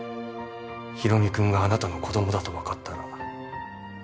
広見君があなたの子どもだと分かったら